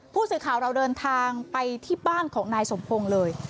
ผู้สื่อข่าวเราเดินทางไปที่บ้านของนายสมพงศ์เลย